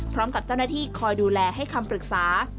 พร้อมกับเจ้าหน้าที่คอยดูแลให้คำปรึกษา